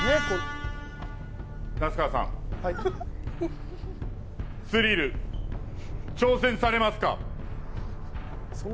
名須川さん、スリル挑戦されますか？